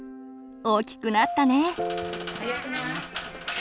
大きくなったね。